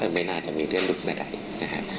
ว่าไม่น่าจะมีเรื่องหลุดในใดนะครับ